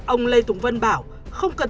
ông lê tùng vân bảo không cần